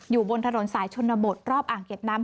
อยู่บนถนนสายชนบทรอบอ่างเก็บน้ำ